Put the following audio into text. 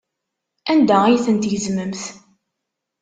Anda ay tent-tgezmemt?